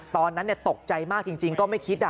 ตอนนั้นตกใจมากจริงก็ไม่คิด